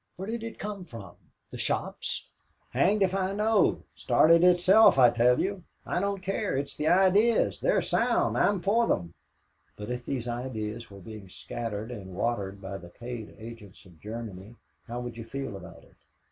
Where did it come from? The shops?" "Hanged if I know started itself, I tell you. I don't care it's the ideas. They're sound. I'm for them." "But if these ideas were being scattered and watered by the paid agents of Germany, how would you feel about it?